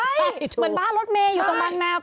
เหมือนบ้านรถเมย์อยู่ตรงบางแนว